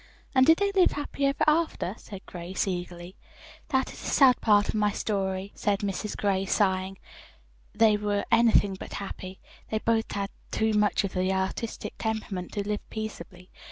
"And did they live happy ever after?" asked Grace eagerly. "That is the sad part of my story," said Mrs. Gray, sighing. "They were anything but happy. They both had too much of the artistic temperament to live peaceably.